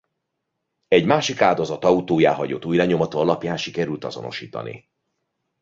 Egy másik áldozat autóján hagyott ujjlenyomata alapján sikerült azonosítani.